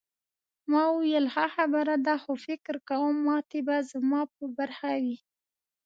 ما وویل ښه خبره ده خو فکر کوم ماتې به زما په برخه وي.